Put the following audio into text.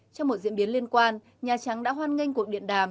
trong một diễn biến liên quan nhà trắng đã hoan nghênh cuộc điện đàm